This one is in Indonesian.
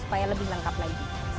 supaya lebih lengkap lagi